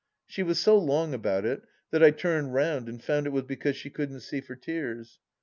She was so long about it that I turned round and found it was because she couldn't see for tears.